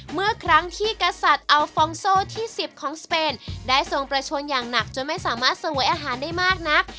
เมื่อครั้งที่กษัตริย์อัลฟองโซที่๑๐ของสเปนได้ทรงประชนอย่างหนักจนไม่สามารถเสวยอาหารได้มากนัก